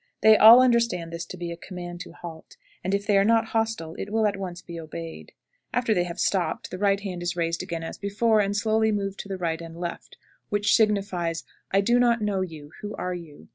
They all understand this to be a command to halt, and if they are not hostile it will at once be obeyed. After they have stopped the right hand is raised again as before, and slowly moved to the right and left, which signifies "I do not know you. Who are you?"